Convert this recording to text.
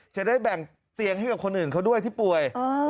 จะได้แบ่งเตียงให้กับคนอื่นเขาด้วยที่ป่วย